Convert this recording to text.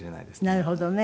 なるほどね。